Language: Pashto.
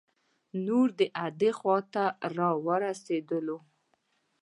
نور د اډې خواته را ورسیدلو.